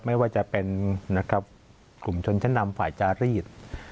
ไม่ว่าจะเป็นกลุ่มชนชั้นนำฝ่ายจารีส